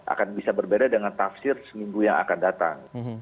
akan bisa berbeda dengan tafsir seminggu yang akan datang